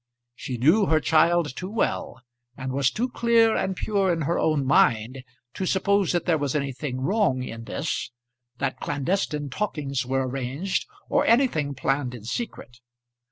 She knew her child too well, and was too clear and pure in her own mind, to suppose that there was anything wrong in this; that clandestine talkings were arranged, or anything planned in secret.